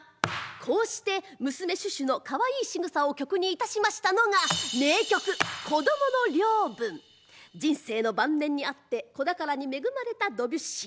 こうして娘シュシュのかわいいしぐさを曲にいたしましたのが人生の晩年にあって子宝に恵まれたドビュッシー。